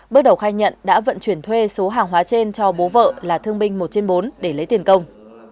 bước đầu khai nhận đã vận chuyển thuê số hàng hóa trên cho bố vợ là thương binh một trên bốn để lấy tiền công